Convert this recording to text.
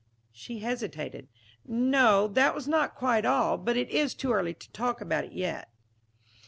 She hesitated, "No, that was not quite all, but it is too early to talk about it yet."